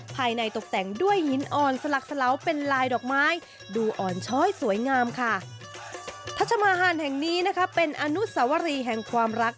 ทัชมาหาญแห่งนี้เป็นอนุสวรีแห่งความรัก